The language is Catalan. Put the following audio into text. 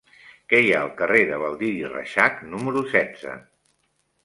Què hi ha al carrer de Baldiri Reixac número setze?